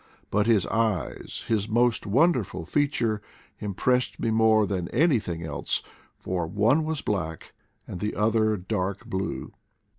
But his eyes, his most wonderful feature, impressed me more than anything else; for one was black and the other dark blue.